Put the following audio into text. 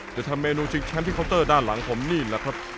จะทำเมนูจิกแชมป์ที่เคาน์เตอร์ด้านหลังผมนี่แหละครับ